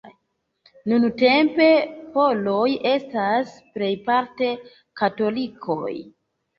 Nuntempe Poloj estas plejparte katolikoj.